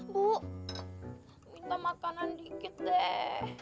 bu minta makanan dikit deh